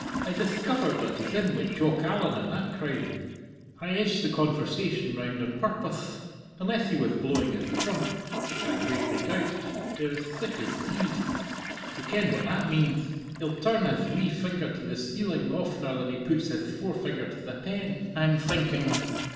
I dithcovered that he's in wi' Jock Allan and that crowd I edged the conversation round on purpoth! Unless he wath blowing his trump which I greatly doubt they're as thick as thieveth. Ye ken what that meanth. He'll turn hith wee finger to the ceiling oftener than he puts hith forefinger to the pen, I'm thinking.